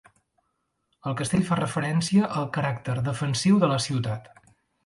El castell fa referència al caràcter defensiu de la ciutat.